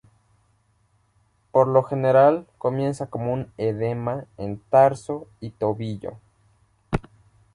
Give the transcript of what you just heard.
Por lo general comienza como un edema en tarso y tobillo.